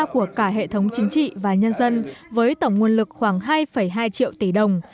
của cả hệ thống chính trị và nhân dân với tổng nguồn lực khoảng hai hai triệu tỷ đồng